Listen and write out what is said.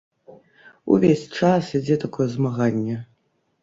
Увесь час ідзе такое змаганне.